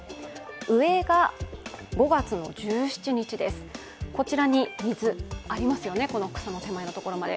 上が５月１７日、こちらに水ありますよね、この草の手前のところまで。